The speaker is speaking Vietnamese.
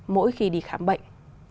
mỗi khi đi khám bệnh